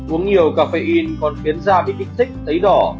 uống nhiều cà phê in còn khiến da bị tích thích tấy đỏ